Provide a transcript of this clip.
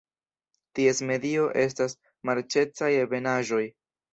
Ties medio estas marĉecaj ebenaĵoj.